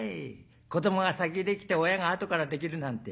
子どもが先できて親があとからできるなんて。